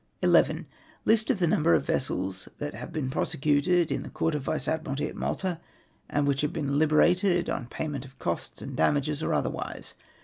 11. List of the number of vessels that have been prosecuted in the Court of Vice Ad miralty at ]\lalta, and which have been liberated on payment of costs and damages or otherwise.